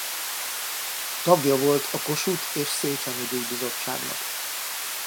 Tagja volt a Kossuth- és Széchenyi-díj bizottságnak.